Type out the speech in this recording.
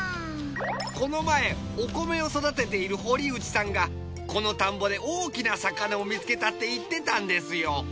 この前お米を育てている堀内さんがこの田んぼで大きな魚を見つけたって言ってたんですよ。